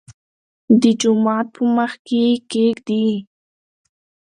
دجومات په مخکې يې کېږدۍ.